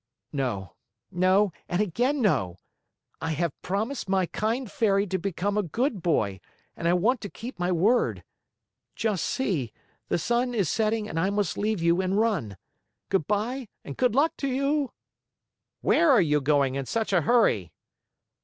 "No, no, and again no! I have promised my kind Fairy to become a good boy, and I want to keep my word. Just see: The sun is setting and I must leave you and run. Good by and good luck to you!" "Where are you going in such a hurry?"